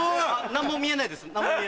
何も見えないです。